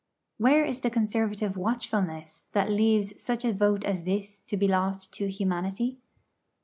Where is the Conservative watchfulness that leaves such a vote as this to be lost to humanity?